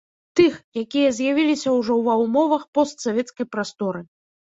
Тых, якія з'явіліся ўжо ва ўмовах постсавецкай прасторы.